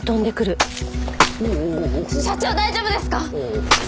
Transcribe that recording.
社長大丈夫ですか！？